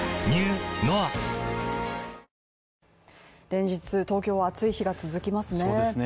連日、東京は暑い日が続きますね。